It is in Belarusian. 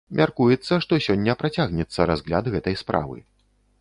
Мяркуецца, што сёння працягнецца разгляд гэтай справы.